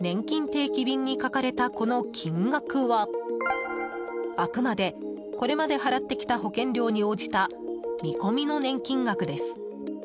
定期便に書かれたこの金額はあくまでこれまで払ってきた保険料に応じた見込みの年金額です。